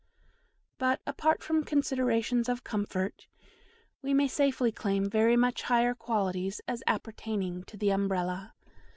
But, apart from considerations of comfort, we may safely claim very much higher qualities as appertaining to the Umbrella.